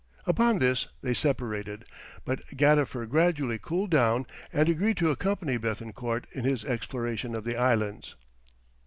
Upon this they separated, but Gadifer gradually cooled down and agreed to accompany Béthencourt in his exploration of the islands.